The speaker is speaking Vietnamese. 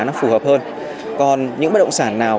nó phù hợp hơn còn những bất động sản nào